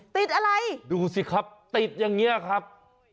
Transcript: ติดอะไรดูสิครับติดอย่างนี้ครับ